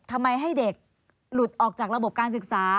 ทำไมให้เด็กหลุดออกจากระบบการศึกษา